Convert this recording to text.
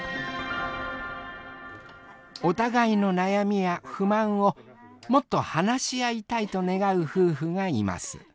お互いの悩みや不満をもっと話し合いたいと願う夫婦がいます。